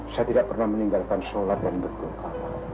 saya tidak pernah meninggalkan sholat dan berburu kata